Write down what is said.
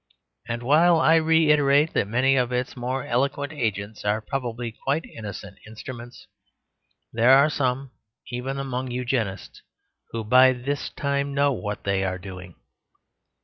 And while I reiterate that many of its more eloquent agents are probably quite innocent instruments, there are some, even among Eugenists, who by this time know what they are doing.